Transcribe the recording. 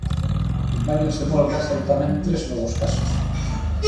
En Baños de Molgas hai tamén tres novos casos.